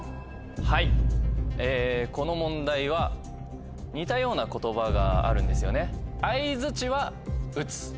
はいこの問題は似たような言葉があるんですよね。